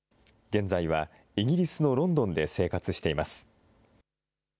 現在はイギリスのロンドンで生活しています。